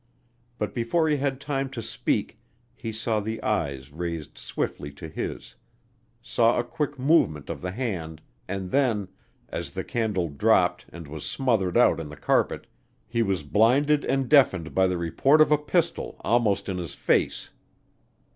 But before he had time to speak, he saw the eyes raised swiftly to his, saw a quick movement of the hand, and then, as the candle dropped and was smothered out in the carpet, he was blinded and deafened by the report of a pistol almost in his face.